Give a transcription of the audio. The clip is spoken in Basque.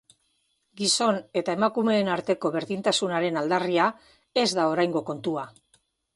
Gizon eta emakumeen arteko berdintasunaren aldarria ez da oraingo kontua.